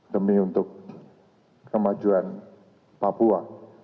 demi untuk kemajuan papua